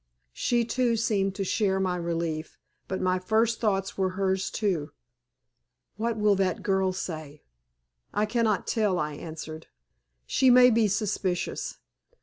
She too seemed to share my relief, but my first thoughts were hers too. "What will that girl say?" "I cannot tell," I answered; "she may be suspicious.